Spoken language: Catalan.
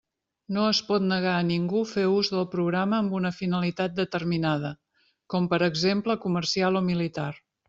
No es pot negar a ningú fer ús del programa amb una finalitat determinada, com per exemple comercial o militar.